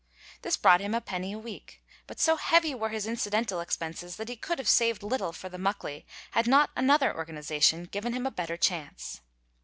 This brought him a penny a week, but so heavy were his incidental expenses that he could have saved little for the Muckley had not another organization given him a better chance.